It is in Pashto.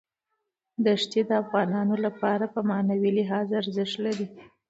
دښتې د افغانانو لپاره په معنوي لحاظ ارزښت لري.